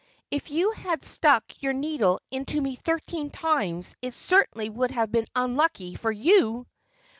If you had stuck your needle into me thirteen times it certainly would have been unlucky for you."